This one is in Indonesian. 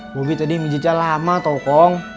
mobi tadi mijaca lama tau kong